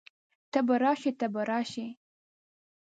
ته به راشئ، ته به راشې